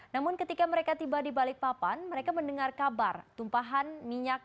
namun ketika mereka tiba di balikpapan mereka mendengar kabar tumpahan minyak